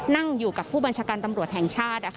นั่งอยู่กับผู้บัญชาการตำรวจแห่งชาติ